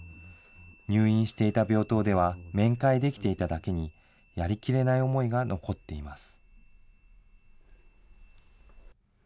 入院していた病棟では面会できていただけに、やりきれない思いが残っています。